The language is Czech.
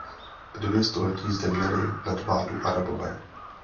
Dvě století zde měli nadvládu Arabové.